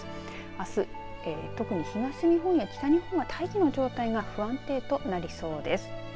あす特に東日本や北日本は大気の状態が不安定となりそうです。